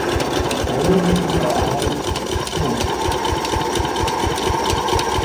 His mother was Russian.